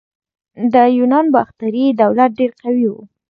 د یونانو باختري دولت ډیر قوي و